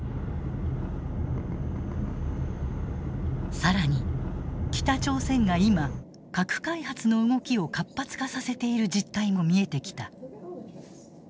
更に北朝鮮が今核開発の動きを活発化させている実態も見えてきた。